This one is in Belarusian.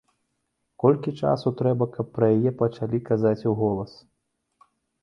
Колькі часу трэба, каб пра яе пачалі казаць уголас?